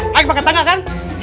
naik pake tangga kan